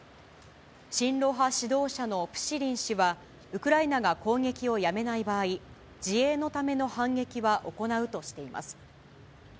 親ロ派指導者のプシリン氏は、ウクライナが攻撃を止めない場合、自衛のための反撃は行うとしています。